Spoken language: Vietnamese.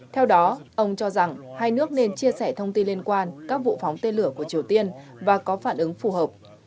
theo đó ông cho rằng hai nước nên chia sẻ thông tin liên quan các vụ phóng tên lửa của triều tiên và có phản ứng phù hợp